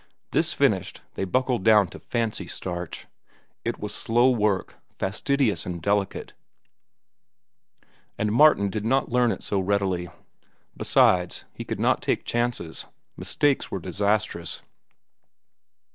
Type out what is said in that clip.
This finished, they buckled down to "fancy starch." It was slow work, fastidious and delicate, and Martin did not learn it so readily. Besides, he could not take chances. Mistakes were disastrous.